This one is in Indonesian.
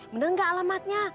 benar gak alamatnya